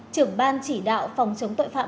trưởng ban chỉ đạo phòng chống tội phạm